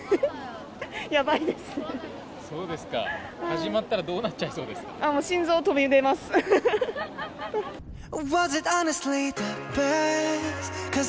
始まったらどうなっちゃいそうですか？